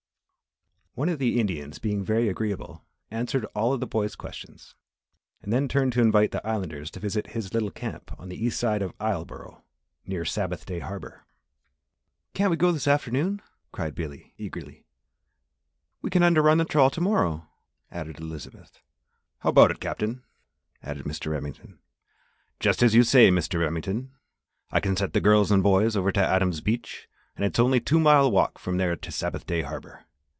One of the Indians being very agreeable answered all of the boy's questions, and then turned to invite the Islanders to visit his little camp on the east side of Isleboro, near Sabbath Day Harbour. "Can't we go this afternoon?" cried Billy, eagerly. "We can under run the trawl to morrow," added Elizabeth. "How about it, Captain?" asked Mr. Remington. "Just as you say, Mr. Remington. I can set the girls and boys over to Adams' Beach an' its only two mile walk from there to Sabbath Day Harbour.